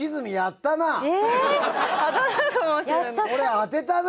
これ当てたね。